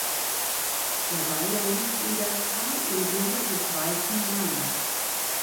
Der Weiler liegt in der Talebene des Weißen Mains.